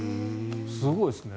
すごいですね。